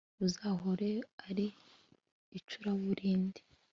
uzahore ari icuraburindi